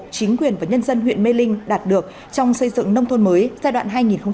chính quyền và nhân dân huyện mê linh đạt được trong xây dựng nông thôn mới giai đoạn hai nghìn một mươi sáu hai nghìn hai mươi